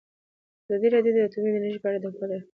ازادي راډیو د اټومي انرژي په اړه د حکومت اقدامات تشریح کړي.